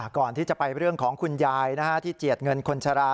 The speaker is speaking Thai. ก่อนที่จะไปเรื่องของคุณยายที่เจียดเงินคนชรา